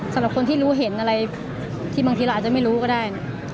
สำหรับคนที่รู้เห็นอะไรที่บางทีเราอาจจะไม่รู้ก็ได้